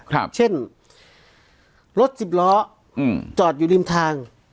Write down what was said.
ครับเช่นรถสิบล้ออืมจอดอยู่ริมทาง